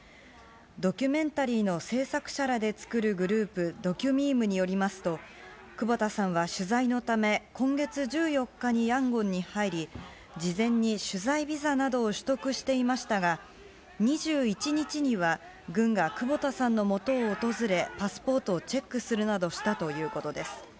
ドキュメンタリーの制作者らで作るグループ、ドキュミームによりますと、久保田さんは取材のため、今月１４日にヤンゴンに入り、事前に取材ビザなどを取得していましたが、２１日には、軍が久保田さんのもとを訪れ、パスポートをチェックするなどしたということです。